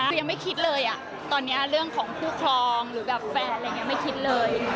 คือยังไม่คิดเลยตอนนี้เรื่องของคู่ครองหรือแบบแฟนอะไรอย่างนี้ไม่คิดเลย